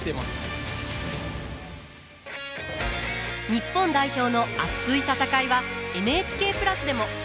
日本代表の熱い戦いはＮＨＫプラスでも。